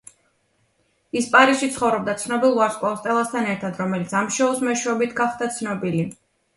ის პარიზში ცხოვრობდა ცნობილ ვარსკვლავ სტელასთან ერთად, რომელიც ამ შოუს მეშვეობით გახდა ცნობილი.